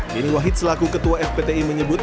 dini wahid selaku ketua fpti menyebut